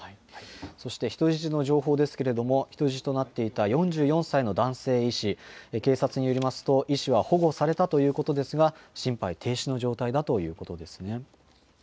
そして人質の情報ですけれども、人質となっていた４４歳の男性医師、警察によりますと、医師は保護されたということですが、心肺停止の状態だということですね。